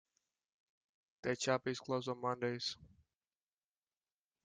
The shop is closed on Mondays.